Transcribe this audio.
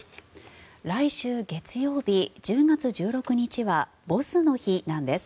来週月曜日１０月１６日はボスの日なんです。